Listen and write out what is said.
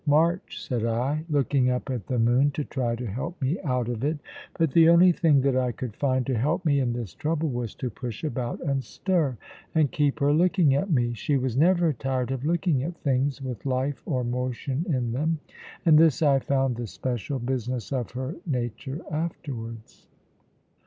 march!" said I, looking up at the moon, to try to help me out of it. But the only thing that I could find to help me in this trouble was to push about and stir, and keep her looking at me. She was never tired of looking at things with life or motion in them; and this I found the special business of her nature afterwards.